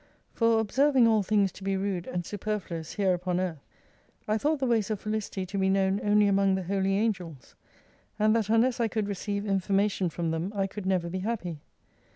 For observing all things to be rude and superfluous here upon earth, I thought the ways of felicity to be known only among the Holy Angels : and that unless I could receive information from them, I could never be happy.